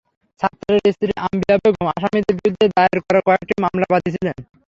সাত্তারের স্ত্রী আম্বিয়া বেগম আসামিদের বিরুদ্ধে দায়ের করা কয়েকটি মামলার বাদী ছিলেন।